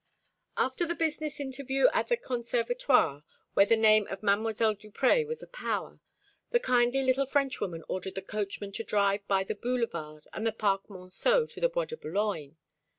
After the business interview at the Conservatoire, where the name of Mdlle. Duprez was a power, the kindly little Frenchwoman ordered the coachman to drive by the Boulevard and the Parc Monceau to the Bois de Boulogne.